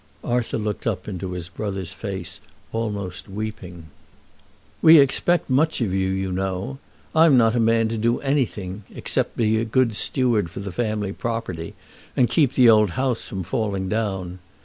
Arthur looked up into his brother's face almost weeping. "We expect much of you, you know. I'm not a man to do anything except be a good steward for the family property, and keep the old house from falling down.